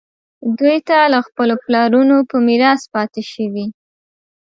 دوی ته له خپلو پلرونو په میراث پاتې شوي.